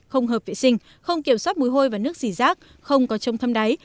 không hợp vệ sinh không kiểm soát mùi hôi và nước dỉ rác không có trông thâm đáy